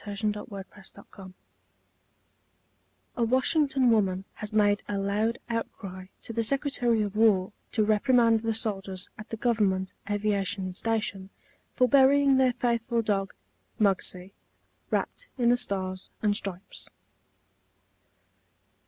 THE FLAG AND THE FAITHFUL (A Washington woman has made a loud outcry to the Secretary of War to reprimand the soldiers at the Government Aviation Station for burying their faithful dog, Muggsie, wrapped in the Stars and Stripes.)